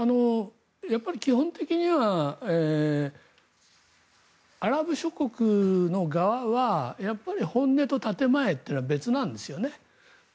基本的にはアラブ諸国の側はやっぱり本音と建前というのは別なんですよね。